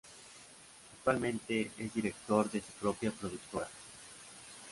Actualmente es directora de su propia productora.